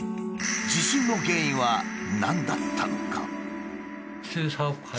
地震の原因は何だったのか？